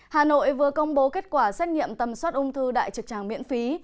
hà nội vừa công bố kết quả xét nghiệm tầm soát ung thư đại trực tràng miễn phí